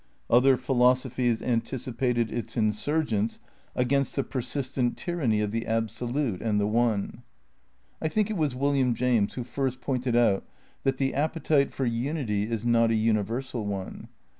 Oth.er pM losopMes anticipated its insurgence against the per Tte sistent tyranny of the Absolute and the One. I think l^on it was "William James who first pointed out that the appetite for unity is not a universal one.